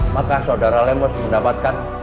maka saudara lemus mendapatkan